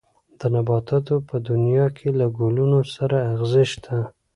د نباتاتو په دنيا کې له ګلونو سره ازغي شته.